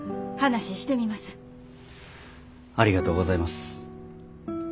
ありがとうございます。